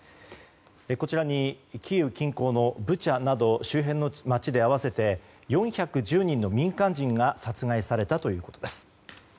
こちらのキーウ近郊のブチャなど周辺の街で、合わせて４１０人の民間人が殺害されたということです。